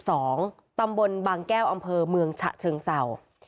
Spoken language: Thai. ตำบลบางแก้วอำเภอเมืองฉะเชิงเศร้า